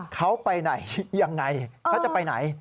เขาไปไหนยังไงเขาจะไปไหน